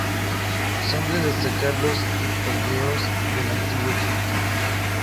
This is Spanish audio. Son de destacar los hipogeos del Antiguo Egipto.